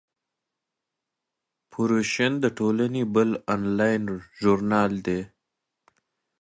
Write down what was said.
پروفیشن د دې ټولنې بل انلاین ژورنال دی.